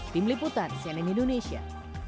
tim liputan cnn indonesia